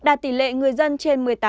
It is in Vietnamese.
đạt tỷ lệ người dân trên một mươi tám